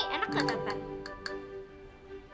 kenapa aku mulai sibuk kira kira